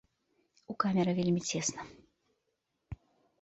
У камеры вельмі цесна.